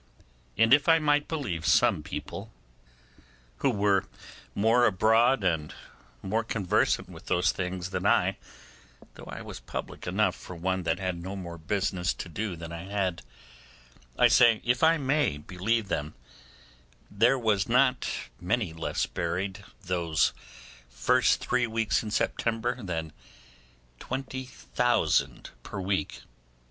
And if I might believe some people, who were more abroad and more conversant with those things than I though I was public enough for one that had no more business to do than I had,—I say, if I may believe them, there was not many less buried those first three weeks in September than 20,000 per week.